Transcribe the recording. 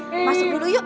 yuk masuk dulu yuk